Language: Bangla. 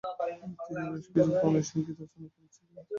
তিনি বেশকিছু প্রণয় সঙ্গীত রচনা করেছিলেন।